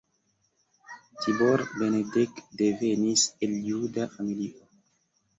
Tibor Benedek devenis el juda familio.